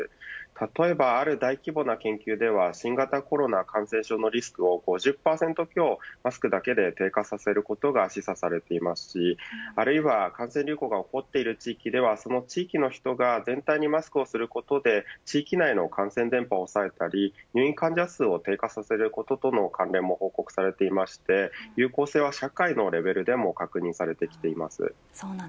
例えばある大規模な研究では新型コロナ感染症のリスクを５０％強、マスクだけで低下させることが示唆されていますしあるいは、感染流行が起こっている地域では地域の人がマスクをすることで地域内の感染伝播を抑えたり入院患者数を低下させる関連も報告されていて有効性は、世界のレベルでも確認されています。